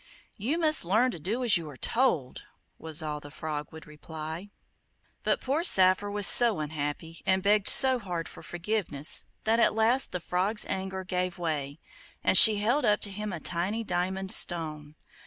'You must learn to do as you are told,' was all the Frog would reply. But poor Saphir was so unhappy, and begged so hard for forgiveness, that at last the Frog's anger gave way, and she held up to him a tiny diamond stone.